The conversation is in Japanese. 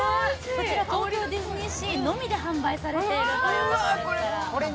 こちら東京ディズニーシーのみで販売されています。